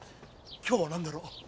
今日は何だろう？